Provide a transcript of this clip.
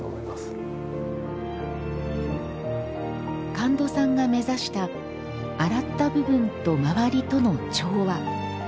神門さんが目指した洗った部分と周りとの調和。